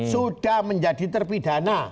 sudah menjadi terpidana